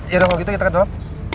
yaudah kalau gitu kita ke dalam